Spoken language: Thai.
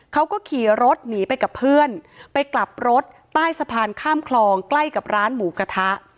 เขาก็ขี่รถหนีไปกับเพื่อนไปกลับรถใต้สะพานข้ามคลองใกล้กับร้านหมูกระทะ